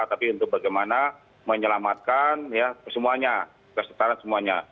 tapi untuk bagaimana menyelamatkan ya kesemua kesetaraan semuanya